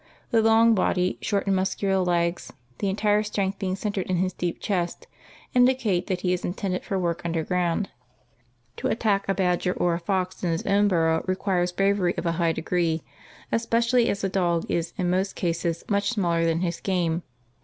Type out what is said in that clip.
The long body, short and muscular legs, the entire strength being centered in his deep chest, indicate that he is intended for work under ground. To attack a badger or a fox in his own burrow requires bravery of a high degree, especially as the dog is in most cases much smaller than his game.